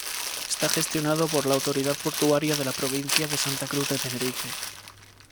Está gestionado por la autoridad portuaria de la provincia de Santa Cruz de Tenerife.